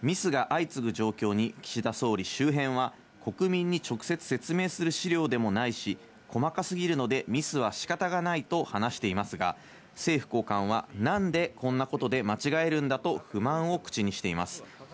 ミスが相次ぐ状況に岸田総理周辺は国民に直接説明する資料でもないし、細かすぎるのでミスは仕方がないと話していますが、政府高官は何でこんなことで間違えるんだと、不満を口にしています。